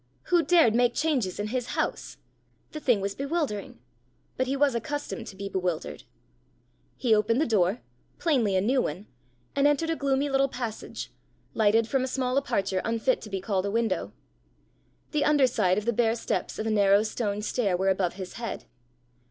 Who dared make changes in his house? The thing was bewildering! But he was accustomed to be bewildered. He opened the door plainly a new one and entered a gloomy little passage, lighted from a small aperture unfit to be called a window. The under side of the bare steps of a narrow stone stair were above his head.